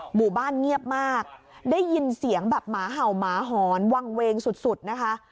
หมู่บ้านเงียบมากได้ยินเสียงแบบหมาเห่าหมาหอนวังเวงสุดนะคะ